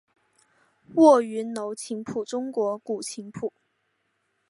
卧云楼琴谱中国古琴谱。